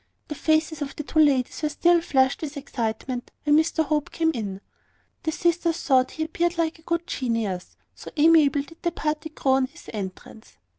The faces of the two ladies were still flushed with excitement when Mr Hope came in. The sisters thought he appeared like a good genius, so amiable did the party grow on his entrance.